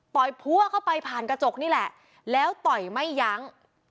ยพั่วเข้าไปผ่านกระจกนี่แหละแล้วต่อยไม่ยั้ง